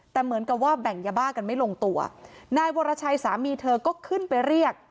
แต่เหมือนกับว่าแบ่งยาบ้ากันไม่ลงตัวนายวรชัยสามีเธอก็ขึ้นไปเรียก